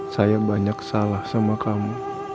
saya banyak salah sama kamu